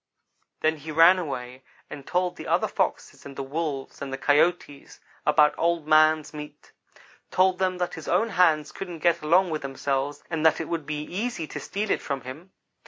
Then he ran away and told the other Foxes and the Wolves and the Coyotes about Old man's meat. Told them that his own hands couldn't get along with themselves and that it would be easy to steal it from him.